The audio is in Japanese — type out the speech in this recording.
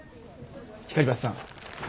光橋さん